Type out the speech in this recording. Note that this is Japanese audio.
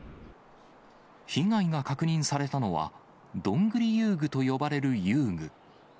被害が確認されたのは、どんぐり遊具と呼ばれる遊具。